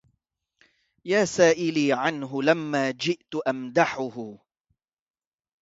يا سائلي عنه لما جئت أمدحه